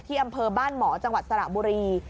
อำเภอบ้านหมอจังหวัดสระบุรี